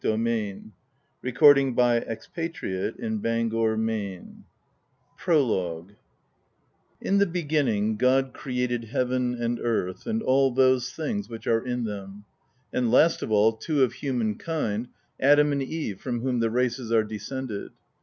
Cambridge^ Massachusetts July I, 1916 PROLOGUE PROLOGUE IN the beginning God created heaven and earth and all those things which are in them; and last of all, two of human kind, Adam and Eve, from whom the races are descended.